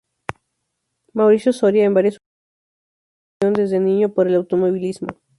Mauricio Soria en varias ocasiones comentó su pasión desde niño por el automovilismo.